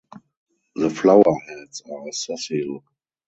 The flower heads are sessile.